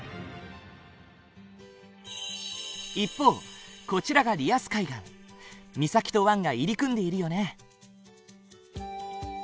一方こちらが岬と湾が入り組んでいるよね。